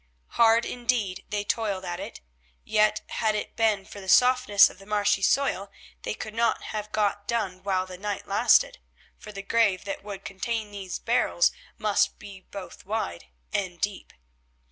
Hard indeed they toiled at it, yet had it not been for the softness of the marshy soil, they could not have got done while the night lasted, for the grave that would contain those barrels must be both wide and deep.